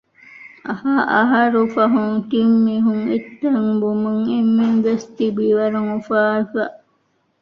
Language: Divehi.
ހައަހަރު ފަހުން ތިންމީހުން އެއްތަން ވުމުން އެންމެންވެސް ތިބީ ވަރަށް އުފާވެފަ